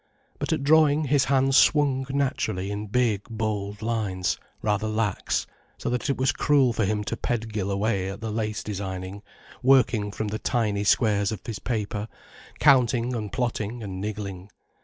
But at drawing, his hand swung naturally in big, bold lines, rather lax, so that it was cruel for him to pedgill away at the lace designing, working from the tiny squares of his paper, counting and plotting and niggling.